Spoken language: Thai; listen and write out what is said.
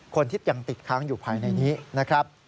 คนที่ยังติดค้างอยู่ภายในนี้นะครับ